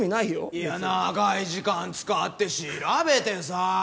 いや長い時間使って調べてさぁ。